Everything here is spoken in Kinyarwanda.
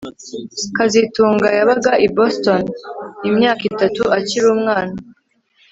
kazitunga yabaga i Boston imyaka itatu akiri umwana